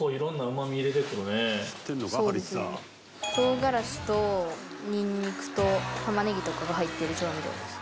唐辛子とニンニクと玉ねぎとかが入っている調味料です。